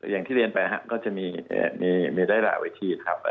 อย่างที่เรียนไปก็จะมีได้หลายวิธีครับ